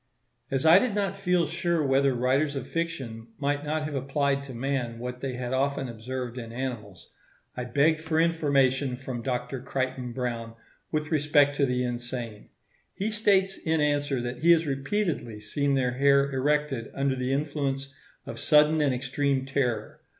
As I did not feel sure whether writers of fiction might not have applied to man what they had often observed in animals, I begged for information from Dr. Crichton Browne with respect to the insane. He states in answer that he has repeatedly seen their hair erected under the influence of sudden and extreme terror.